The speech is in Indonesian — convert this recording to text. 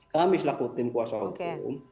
kami selaku tim kuasa hukum